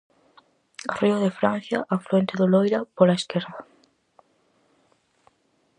Río de Francia, afluente do Loira pola esquerda.